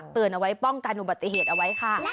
เอาไว้ป้องกันอุบัติเหตุเอาไว้ค่ะ